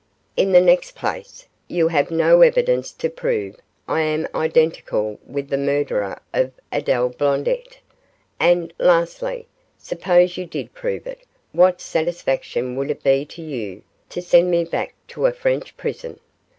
In the next place, you have no evidence to prove I am identical with the murderer of Adele Blondet; and, lastly, suppose you did prove it, what satisfaction would it be to you to send me back to a French prison?